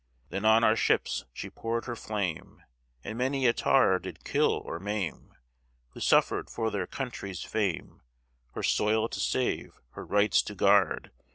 Then on our ships she poured her flame, And many a tar did kill or maim, Who suffered for their country's fame, Her soil to save, her rights to guard.